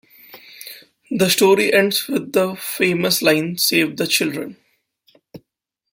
The story ends with the famous line: "Save the children..."